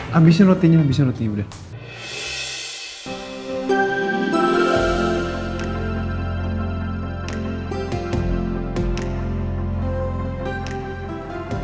habisnya rotinya habisnya roti udah